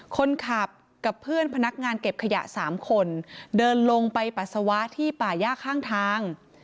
คนขับกับเพื่อนพนักงานเก็บขยะสามคนเดินลงไปปัสสาวะที่ป่าย่าข้างทาง